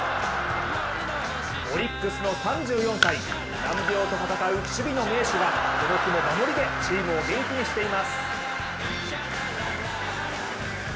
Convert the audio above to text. オリックスの３４歳、難病と闘う守備の名手がこの日も守りでチームを元気にしています。